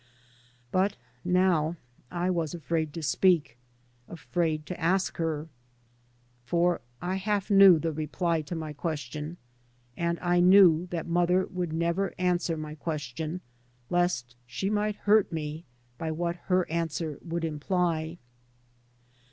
But now I was afraid to speak, afraid to ask her. 3 by Google MY MOTHER AND I For I half knew the reply to my question, and I knew that mother would never answer my question, lest she might hurt me by what her answer would imply.